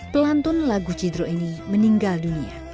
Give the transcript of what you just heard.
pelantun lagu cidro ini meninggal dunia